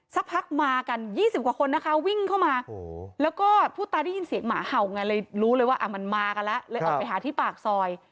สักพักมากัน๒๐กว่าคนนะคะวิ่งเข้ามาแล้วก็ผู้ตายได้ยินเสียงหมาเห่าไงเลยรู้เลยว่ามันมากันแล้วเลยออกไปหาที่ปากซอย